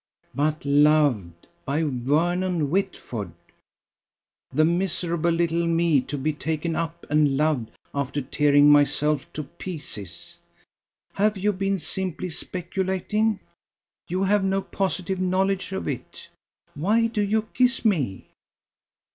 But loved! by Vernon Whitford! The miserable little me to be taken up and loved after tearing myself to pieces! Have you been simply speculating? You have no positive knowledge of it! Why do you kiss me?"